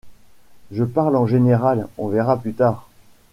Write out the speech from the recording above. Je parle en général, on verra plus tard...